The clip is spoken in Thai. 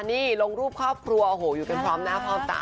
นี่ลงรูปครอบครัวโอ้โหอยู่กันพร้อมหน้าพร้อมตา